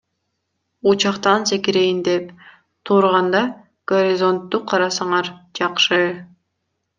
Учактан секирейин деп турганда горизонтту карасаңар жакшы.